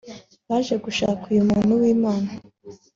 baje gushaka uyu muntu w’Imana…